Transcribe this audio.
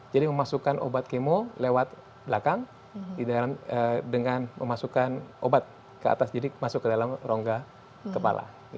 jadi memasukkan obat kemo lewat belakang dengan memasukkan obat ke atas jadi masuk ke dalam rongga kepala